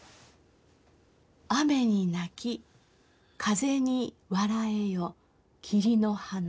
「雨に泣き風に笑えよ桐の花」。